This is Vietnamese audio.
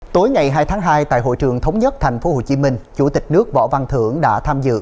tối ngày hai tháng hai tại hội trường thống nhất tp hcm chủ tịch nước võ văn thưởng đã tham dự